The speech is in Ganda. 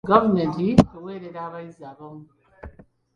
Gavumenti eweerera abayizi abamu.